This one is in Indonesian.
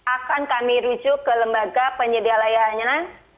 akan kami rujuk ke lembaga penyedia layanannya